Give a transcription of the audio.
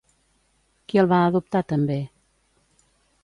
Qui el va adoptar també?